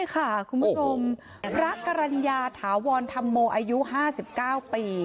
คุณผู้ชมรักกรรมโมอายุห้าสิบเก้าปี